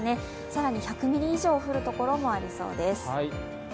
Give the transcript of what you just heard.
更に１００ミリ以上降る所もありそうです。